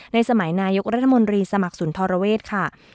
ในสมัยนายกรัฐมนตรีสมัครสุนทรเวศค่ะ